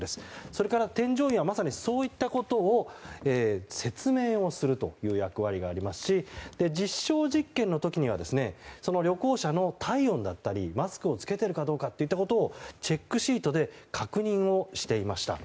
それから添乗員はまさにそういったことを説明をするという役割がありますし実証実験の時には旅行者の体温だったりマスクを着けてるかどうかといったことをチェックシートで確認をしていました。